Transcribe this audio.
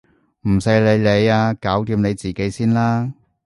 唔使你理啊！搞掂你自己先啦！